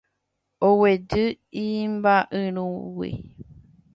Oguejy imba'yrúgui